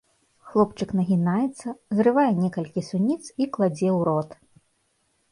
Хлопчык нагінаецца, зрывае некалькі суніц і кладзе ў рот.